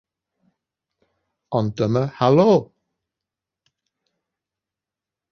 Ond dyma Halo.